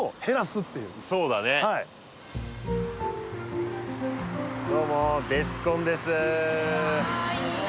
そうだねどうもベスコンです